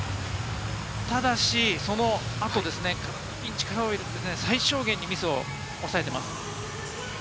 ただし、そのあと力を入れて、最小限にミスを抑えています。